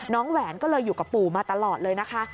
แหวนก็เลยอยู่กับปู่มาตลอดเลยนะคะ